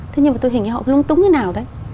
thế nhưng mà tôi hình như họ lúng túng như nào đấy